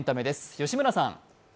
吉村さん。